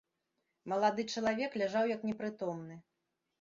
Малады чалавек ляжаў як непрытомны.